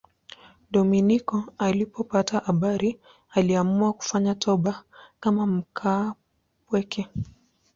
Dominiko alipopata habari aliamua kufanya toba kama mkaapweke.